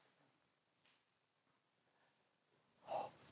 あっ。